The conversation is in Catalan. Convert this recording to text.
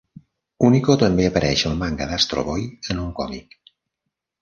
Unico també apareix al manga d'Astro Boy en un còmic.